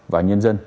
và nhân dân